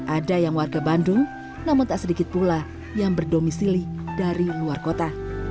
ada yang warga bandung namun tak sedikit pula yang berdomisili dari luar kota